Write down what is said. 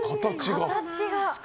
形が。